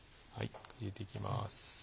入れていきます。